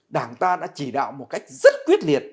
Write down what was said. đảng ta đã chỉ đạo một cách rất quyết liệt